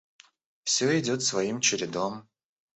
Все идет своим чередом.